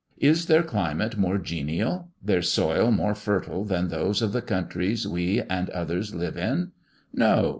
Is their climate more genial; their soil more fertile than those of the countries we and others live in? No!